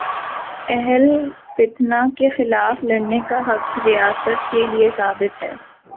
اہل فتنہ کے خلاف لڑنے کا حق ریاست کے لیے ثابت ہے۔